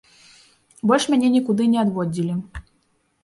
Больш мяне нікуды не адводзілі.